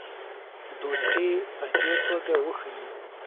دوستي په دې توګه وښیي.